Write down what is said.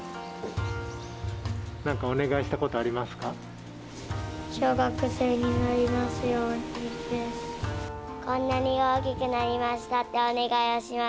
なんかお願いしたことありま